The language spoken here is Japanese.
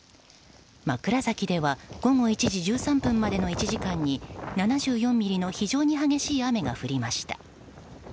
枕崎では午後１時１３分までの１時間に７４ミリの非常に激しい雨が降りました。